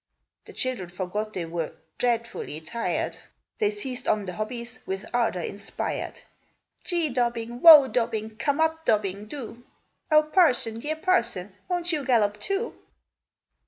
The children forgot they were "dreadfully tired!" They seized on the hobbies, with ardour inspired. "Gee, Dobbin! whoa, Dobbin! come up, Dobbin, do! Oh! Parson, dear Parson, won't you gallop, too?"